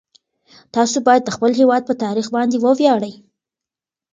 تاسو باید د خپل هیواد په تاریخ باندې وویاړئ.